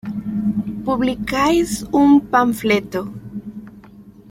publicáis un panfleto